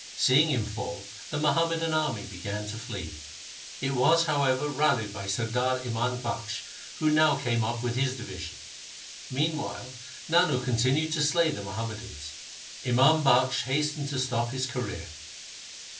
Seeing him fall the Muham madan army began to flee. It was, however, rallied by Sardar Imam Bakhsh, who now came up with his division. Meanwhile Nano continued to slay the Muhammadans. Imam Bakhsh hastened to stop his career.